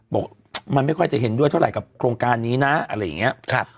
บอกมันไม่ค่อยจะเห็นด้วยเท่าไหร่กับโครงการนี้นะอะไรอย่างนี้